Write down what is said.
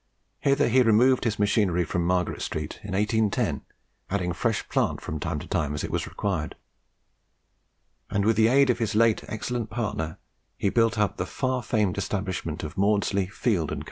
Hither he removed his machinery from Margaret Street in 1810, adding fresh plant from time to time as it was required; and with the aid of his late excellent partner he built up the far famed establishment of Maudslay, Field, and Co.